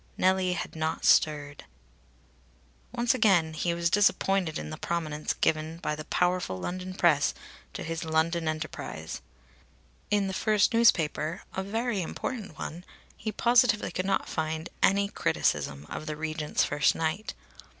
Nellie had not stirred. Once again he was disappointed in the prominence given by the powerful London press to his London enterprise. In the first newspaper, a very important one, he positively could not find any criticism of the Regent's first night.